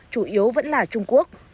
chủ yếu vẫn là trung quốc